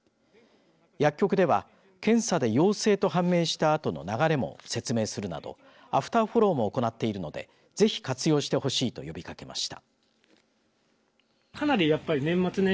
薬局では検査で陽性と判明したあとの流れも説明するなどアフターフォローも行っているのでぜひ活用してほしいと呼びかけました。